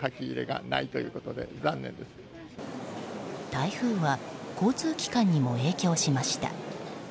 台風は交通機関にも影響しました。